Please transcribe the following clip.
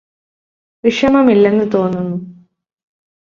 വിഷമമില്ലെന്ന് തോന്നുന്നു